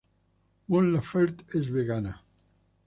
Mon Laferte es vegana.